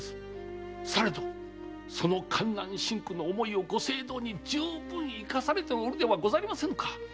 されどその艱難辛苦の思いをご政道に充分活かされておるではございませぬか。